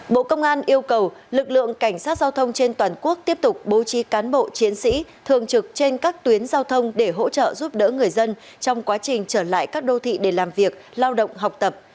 bộ công an yêu cầu lực lượng cảnh sát giao thông trên toàn quốc tiếp tục bố trí cán bộ chiến sĩ thường trực trên các tuyến giao thông để hỗ trợ giúp đỡ người dân trong quá trình trở lại các đô thị để làm việc lao động học tập